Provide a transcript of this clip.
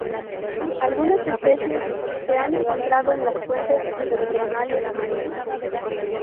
Algunas especies se han encontrado en las fuentes hidrotermales marinos.